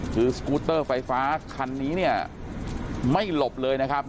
คือสกูเตอร์ไฟฟ้าคันนี้เนี่ยไม่หลบเลยนะครับ